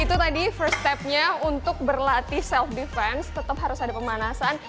itu tadi first stepnya untuk berlatih self defense tetap harus ada pemanasan